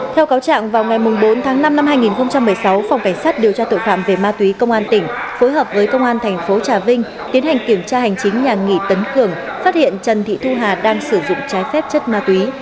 theo cáo trạng vào ngày bốn tháng năm năm hai nghìn một mươi sáu phòng cảnh sát điều tra tội phạm về ma túy công an tỉnh phối hợp với công an thành phố trà vinh tiến hành kiểm tra hành chính nhà nghỉ tấn cường phát hiện trần thị thu hà đang sử dụng trái phép chất ma túy